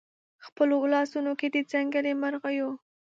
خپلو لاسونو کې د ځنګلي مرغیو